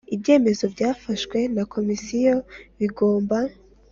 Ibyemezo byafashwe na Komisiyo bigomba